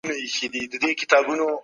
تدريس د ځانګړو هدفونو له پاره کېږي.